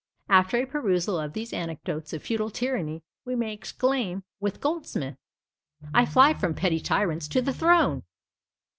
After a perusal of these anecdotes of feudal tyranny, we may exclaim with Goldsmith "I fly from PETTY TYRANTS to the THRONE."